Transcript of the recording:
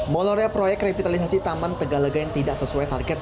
molore proyek revitalisasi taman tegalega yang tidak sesuai target dua ribu delapan belas